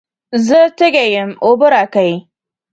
زه تږی یم، اوبه راکئ.